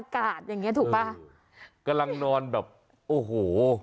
กำลังนอนแบบโอ้โห